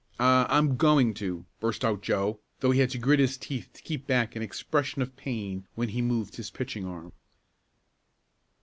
"I I'm going to!" burst out Joe, though he had to grit his teeth to keep back an expression of pain when he moved his pitching arm.